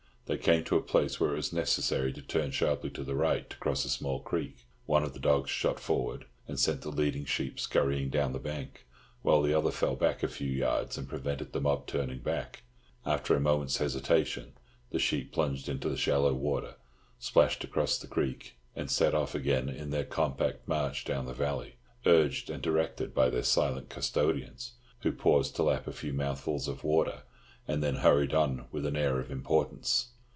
They came to a place where it was necessary to turn sharply to the right to cross a small creek; one of the dogs shot forward, and sent the leading sheep scurrying down the bank, while the other fell back a few yards and prevented the mob turning back. After a moment's hesitation the sheep plunged into the shallow water, splashed across the creek, and set off again in their compact march down the valley, urged and directed by their silent custodians—who paused to lap a few mouthfuls of water, and then hurried on with an air of importance.